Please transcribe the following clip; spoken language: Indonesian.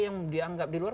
yang dianggap di luar